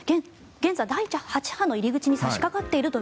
現在、第８波の入り口に差しかかっていると。